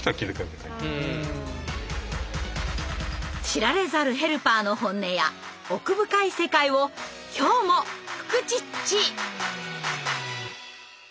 知られざるヘルパーの本音や奥深い世界を今日もフクチッチ！